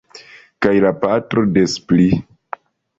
Kaj la patro des pli.